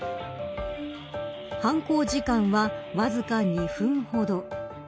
犯行時間は、わずか２分ほど。